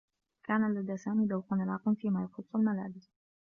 كان لدى سامي ذوق راق في ما يخصّ الملابس.